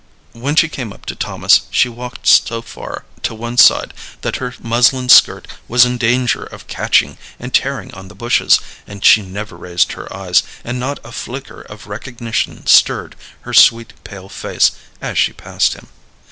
When she came up to Thomas she walked so far to one side that her muslin skirt was in danger of catching and tearing on the bushes, and she never raised her eyes, and not a flicker of recognition stirred her sweet pale face as she passed him.